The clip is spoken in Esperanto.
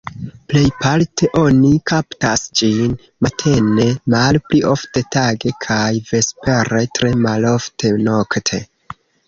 Plejparte oni kaptas ĝin matene, malpli ofte tage kaj vespere, tre malofte nokte.